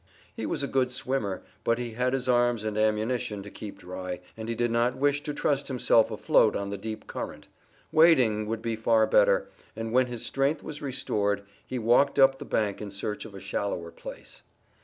He was a good swimmer, but he had his arms and ammunition to keep dry, and he did not wish to trust himself afloat on the deep current. Wading would be far better, and, when his strength was restored, he walked up the bank in search of a shallower place.